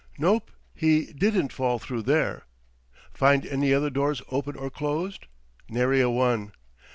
"Nope. He didn't fall through there." "Find any other doors open or closed?" "Nary a one."